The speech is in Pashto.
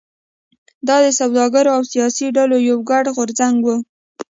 دا د سوداګرو او سیاسي ډلو یو ګډ غورځنګ و.